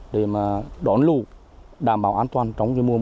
để đón lụ đảm bảo an toàn trong mùa mưa bão năm nay